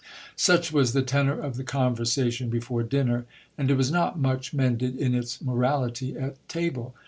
Such was the tenor of the conversation before dinner, and it was not much mended in its morality at table.